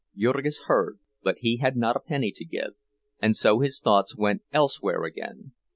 Jurgis heard; but he had not a penny to give, and so his thoughts went elsewhere again.